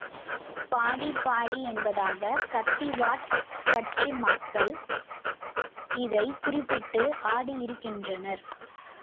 பாடி பாடி என்பதாக கத்திவாட், கட்சு மக்கள் இதை குறிப்பிட்டு ஆடியிருக்கின்றனர்.